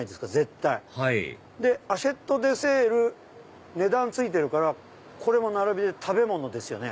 はいでアシェットデセール値段付いてるからこれも並びで食べ物ですよね。